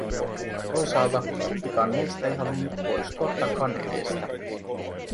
Toisaalta kumpikaan meistä ei halunnut poistua takan edestä.